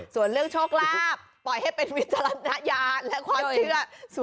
ส่วนเรื่องโชคลาภปล่อยให้เป็นวิจารณญาณและความเชื่อ